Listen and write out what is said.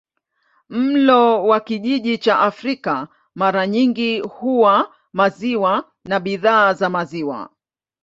Mlo wa kijiji cha Afrika mara nyingi huwa maziwa na bidhaa za maziwa.